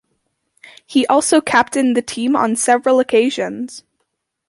He also captained the team on several occasions.